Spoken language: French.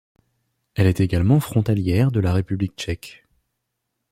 Elle est également frontalière de la République tchèque.